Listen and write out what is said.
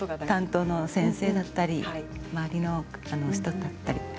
担当の先生だったり周りの人だったり。